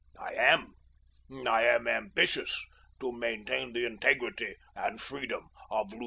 I am. I am ambitious to maintain the integrity and freedom of Lutha.